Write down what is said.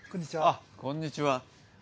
あっこんにちは。